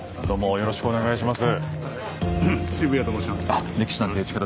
よろしくお願いします。